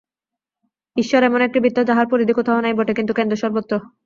ঈশ্বর এমন একটি বৃত্ত, যাহার পরিধি কোথাও নাই বটে, কিন্তু কেন্দ্র সর্বত্র।